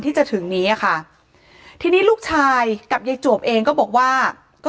ที่จะถึงนี้อ่ะค่ะทีนี้ลูกชายกับยายจวบเองก็บอกว่าก็